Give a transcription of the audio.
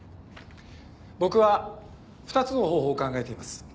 僕は２つの方法を考えています。